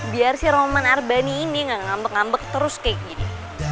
biar sih roman arbani ini gak ngambek ngambek terus kayak gini